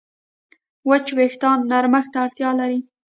وچ وېښتيان نرمښت ته اړتیا لري.